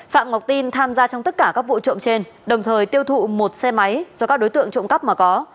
phạm ngọc tin tham gia trong tất cả các vụ trộm trên đồng thời tiêu thụ một xe máy do các đối tượng trộm cắp mà có